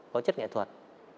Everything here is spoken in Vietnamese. có chất nghệ thuật